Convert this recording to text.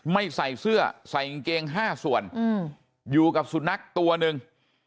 ไม่ใส่เสื้อใส่กางเกง๕ส่วนอยู่กับสุนัขตัวหนึ่ง